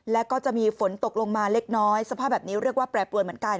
แล้วก็จะมีฝนตกลงมาเล็กน้อยสภาพแบบนี้เรียกว่าแปรปรวนเหมือนกัน